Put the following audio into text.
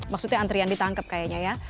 maksudnya antrian ditangkap kayaknya ya